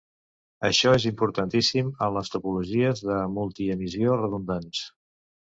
Això és importantíssim en les topologies de multiemisió redundants.